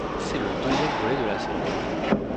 C'est le deuxième volet de la série.